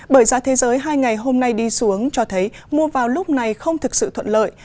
bởi giá thế giới hai ngày hôm nay đi xuống cho thấy mua vào lúc này không thực sự thuận lợi